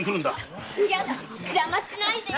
嫌だ邪魔しないでよ！